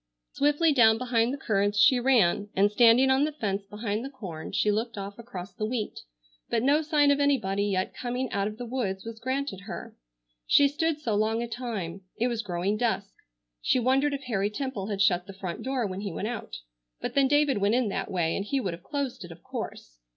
Swiftly down behind the currants she ran, and standing on the fence behind the corn she looked off across the wheat, but no sign of anybody yet coming out of the woods was granted her. She stood so a long time. It was growing dusk. She wondered if Harry Temple had shut the front door when he went out. But then David went in that way, and he would have closed it, of course.